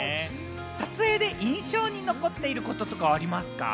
撮影で印象に残っていることとかありますか？